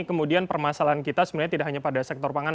kemudian permasalahan kita sebenarnya tidak hanya pada sektor pangan